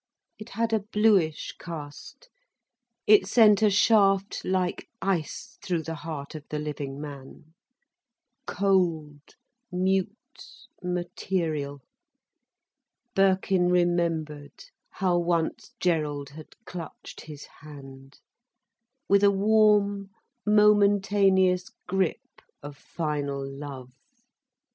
It had a bluish cast. It sent a shaft like ice through the heart of the living man. Cold, mute, material! Birkin remembered how once Gerald had clutched his hand, with a warm, momentaneous grip of final love.